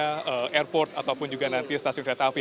misalnya airport ataupun juga nanti stasiun kreatif api